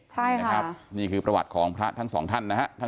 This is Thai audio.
ใช่นะครับนี่คือประวัติของพระทั้งสองท่านนะฮะ